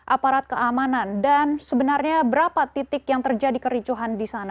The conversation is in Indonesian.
aparat keamanan dan sebenarnya berapa titik yang terjadi kericuhan di sana